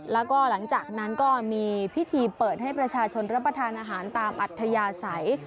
แล้วก็หลังจากนั้นก็มีพิธีเปิดให้ประชาชนรับประทานอาหารตามอัธยาศัย